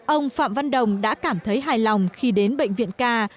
ông phạm văn đồng đã cảm thấy hài lòng khi đến bệnh viện ca